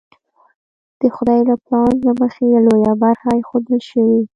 د خدای له پلان له مخې لویه برخه ایښودل شوې.